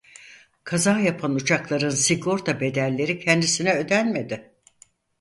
Kaza yapan uçakların sigorta bedelleri kendisine ödenmedi.